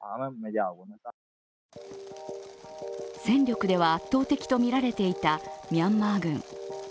戦力では圧倒的とみられていたミャンマー軍。